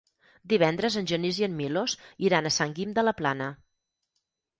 Divendres en Genís i en Milos iran a Sant Guim de la Plana.